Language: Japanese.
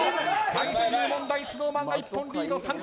最終問題ＳｎｏｗＭａｎが１本リード。